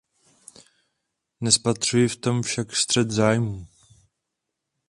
Nespatřuji v tom však střet zájmů.